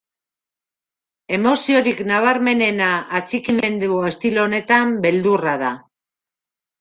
Emoziorik nabarmenena atxikimendu estilo honetan beldurra da.